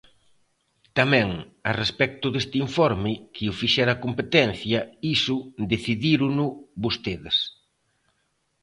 Tamén, a respecto deste informe, que o fixera Competencia; iso decidírono vostedes.